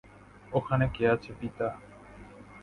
ওখানে কে আছে পিতা?